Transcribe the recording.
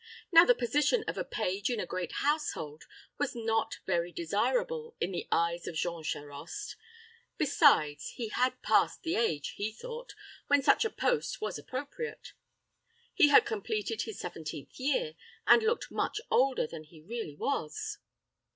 Now the position of a page in a great household was not very desirable in the eyes of Jean Charost; besides, he had passed the age, he thought, when such a post was appropriate. He had completed his seventeenth year, and looked much older than he really was.